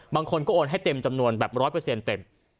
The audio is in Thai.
บางคนก็โอนให้เต็มจำนวนแบบ๑๐๐เต็ม